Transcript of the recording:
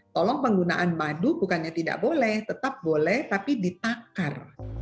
tolong penggunaan madu bukannya tidak boleh tetap boleh tapi ditakar